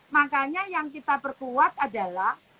makanya yang kita perkuat adalah